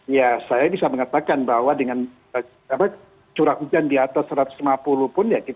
ya saya bisa mengatakan bahwa dengan curah hujan di atas satu ratus lima puluh pun ya kita